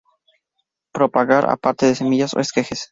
Propagar a partir de semillas o esquejes.